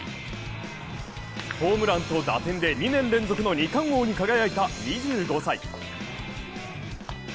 ホームランと打点で２年連続の２冠王に輝いた２５歳。